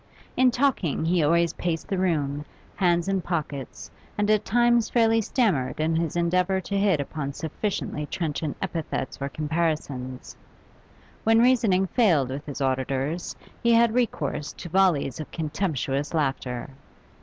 In talking he always paced the room, hands in pockets, and at times fairly stammered in his endeavour to hit upon sufficiently trenchant epithets or comparisons. When reasoning failed with his auditors, he had recourse to volleys of contemptuous laughter.